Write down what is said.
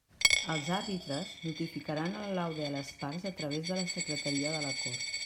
Els àrbitres notificaran el laude a les parts a través de la Secretaria de la Cort.